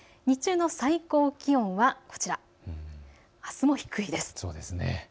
日中の最高気温がこちら、あすも低いです。